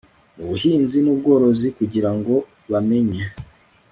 mu buhinzi n ubworozi kugira ngo bamenye